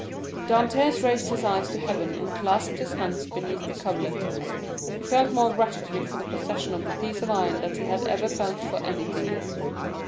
Dantès raised his eyes to heaven and clasped his hands beneath the coverlet. He felt more gratitude for the possession of this piece of iron than he had ever felt for anything.